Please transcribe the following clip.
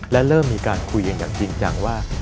และเริ่มมีการคุยกันอย่างจริงจังว่า